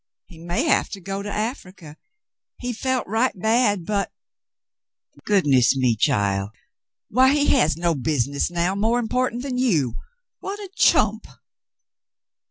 He may have to go to Africa. He felt right bad — but —" "Goodness me, child! ^Tiy, he has no business now more important than you ! What a chump